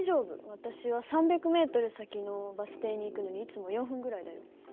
私は３００ｍ先のバス停に行くのにいつも４分ぐらいだよ。